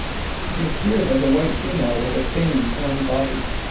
She appeared as a white female with a thin, toned body.